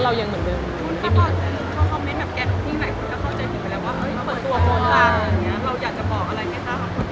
เราอยากจะบอกอะไรไหมคะ